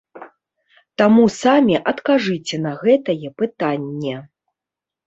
Таму самі адкажыце на гэтае пытанне.